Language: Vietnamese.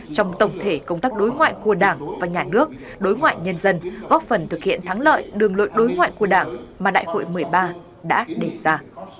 trong tổng thể công tác đối ngoại của đảng và nhà nước đối ngoại nhân dân góp phần thực hiện thắng lợi đường lội đối ngoại của đảng mà đại hội một mươi ba đã đề ra